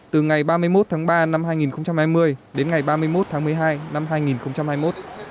từ ngày ba mươi một tháng ba năm hai nghìn hai mươi đến ngày ba mươi một tháng một mươi hai năm hai nghìn hai mươi một